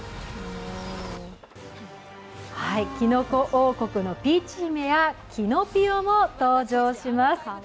キノコ王国のピーチ姫やキノピオも登場します。